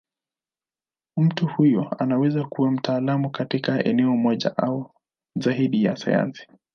Mtu huyo anaweza kuwa mtaalamu katika eneo moja au zaidi ya sayansi.